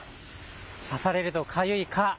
刺されるとかゆい蚊。